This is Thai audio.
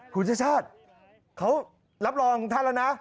คุณชาติชาติเขารับรองของท่านแล้วนะ